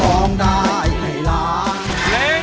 ร้องได้ให้ร้อง